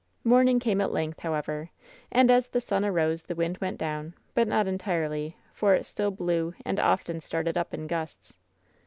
Morning came at length, however, and as the sun arose the wind went down, but not entirely, for it still blew and often started up in gusts.